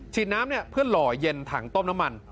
น้ำเพื่อหล่อเย็นถังต้มน้ำมัน